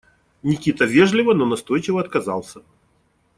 Никита вежливо, но настойчиво отказался.